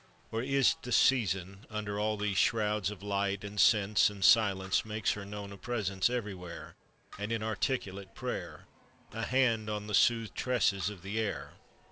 Or is't the Season, under all these shrouds Of light, and sense, and silence, makes her known A presence everywhere, An inarticulate prayer, A hand on the soothed tresses of the air?